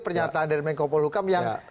pernyataan dari menko polhukam yang